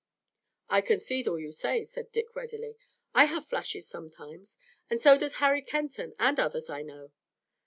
"I concede all you say," said Dick readily. "I have flashes sometimes, and so does Harry Kenton and others I know."